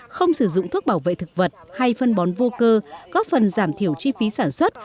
không sử dụng thuốc bảo vệ thực vật hay phân bón vô cơ góp phần giảm thiểu chi phí sản xuất